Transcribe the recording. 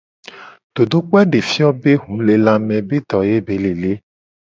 Dodokpo a de fio be huvolelame be do ye be le le.